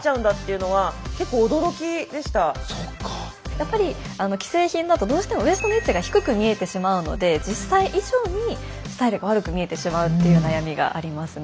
やっぱり既製品だとどうしてもウエストの位置が低く見えてしまうので実際以上にスタイルが悪く見えてしまうっていう悩みがありますね。